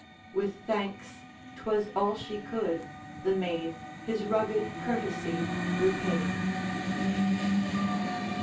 With thanks 'twas all she could the maid His rugged courtesy repaid.